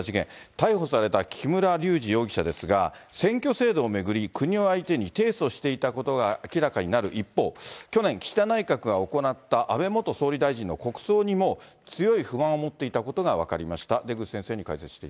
逮捕された木村隆二容疑者ですが、選挙制度を巡り、国を相手に提訴していたことが明らかになる一方、去年、岸田内閣が行った安倍元総理大臣の国葬にも強い不満を持っていたことが分かりました。